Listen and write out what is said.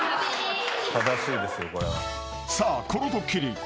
［さあこのドッキリ。